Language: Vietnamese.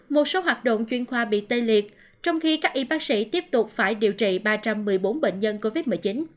một số hoạt động chuyên khoa bị tê liệt trong khi các y bác sĩ tiếp tục phải điều trị ba trăm một mươi bốn bệnh nhân covid một mươi chín